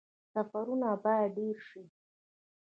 سفرونه باید ډیر شي